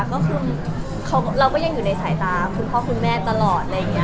ก็คือเราก็ยังอยู่ในสายตาคุณพ่อคุณแม่ตลอด